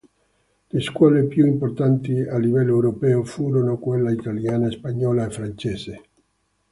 Le scuole più importanti a livello europeo, furono quella italiana, spagnola e francese.